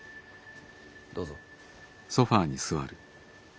どうぞ。